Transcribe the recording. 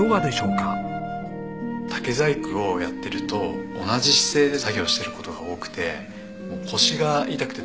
竹細工をやっていると同じ姿勢で作業している事が多くてもう腰が痛くて。